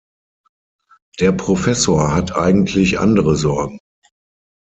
Der Professor hat eigentlich andere Sorgen.